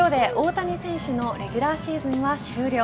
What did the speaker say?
今日で大谷選手のレギュラーシーズンは終了。